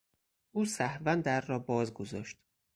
او سهوا در را باز گذاشت.